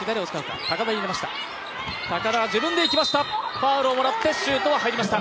ファウルをもらってシュートは入りました。